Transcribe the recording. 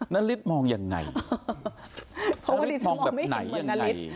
นาริสมองยังไงเพราะว่าดิฉันมองไม่เห็นนาริส